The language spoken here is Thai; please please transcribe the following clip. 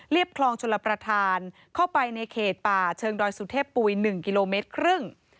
คลองชลประธานเข้าไปในเขตป่าเชิงดอยสุเทพปุ๋ย๑กิโลเมตรครึ่ง